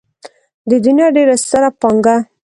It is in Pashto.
د دنيا ډېره ستره پانګه.